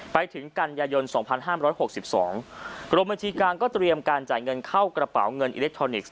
ไปถึงกันยายน๒๕๖๒กรมบัญชีกลางก็เตรียมการจ่ายเงินเข้ากระเป๋าเงินอิเล็กทรอนิกส์